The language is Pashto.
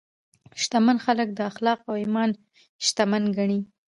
شتمن خلک د اخلاقو او ایمان شتمن ګڼي.